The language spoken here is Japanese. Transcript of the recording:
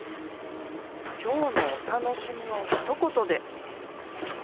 今日のお楽しみをひと言で。